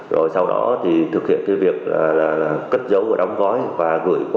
rồi sau đó thực hiện việc cất dấu và đóng gói